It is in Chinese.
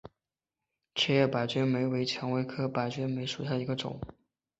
齿叶白鹃梅为蔷薇科白鹃梅属下的一个种。